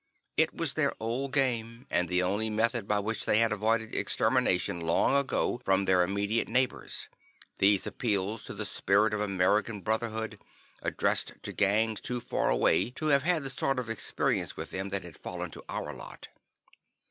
It was their old game, and the only method by which they had avoided extermination long ago from their immediate neighbors these appeals to the spirit of American brotherhood, addressed to gangs too far away to have had the sort of experience with them that had fallen to our lot.